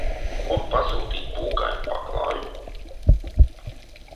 Kur pasūtīt pūkainu paklāju?